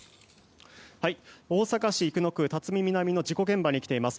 大阪市生野区巽南の現場に来ています。